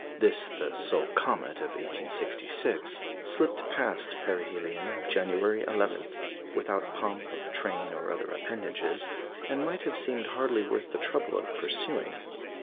This, the sole comet of 1866, slipped past perihelion, January 11, without pomp of train or other appendages, and might have seemed hardly worth the trouble of pursuing.